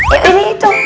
ya ini itu